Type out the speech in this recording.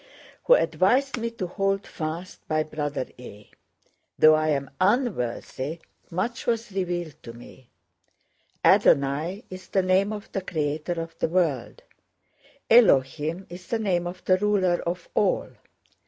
who advised me to hold fast by Brother A. Though I am unworthy, much was revealed to me. Adonai is the name of the creator of the world. Elohim is the name of the ruler of all.